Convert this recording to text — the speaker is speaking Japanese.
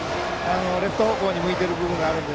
レフト方向に向いている部分があるので。